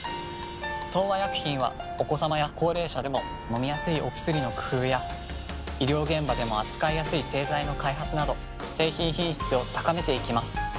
東和薬品はお子さまや高齢者でも飲みやすいお薬の工夫や医療現場でも扱いやすい製剤の開発など製品品質を高めていきます。